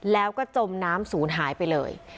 แล้วก็จมน้ำศูนย์หายไปเลย